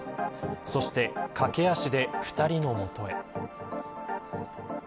そして、駆け足で２人の元へ。